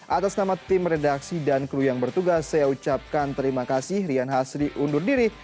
atas nama tim redaksi dan kru yang bertugas saya ucapkan terima kasih rian hasri undur diri